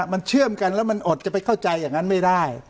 มันเชื่อมกันแล้วมันอดจะไปเข้าใจอย่างนั้นไม่ได้